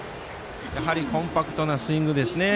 コンパクトなスイングですね。